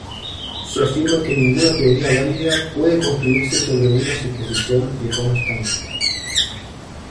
Se afirma que ninguna teoría válida puede construirse sobre una suposición de constancia.